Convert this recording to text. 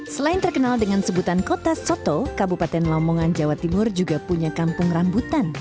selain terkenal dengan sebutan kota soto kabupaten lamongan jawa timur juga punya kampung rambutan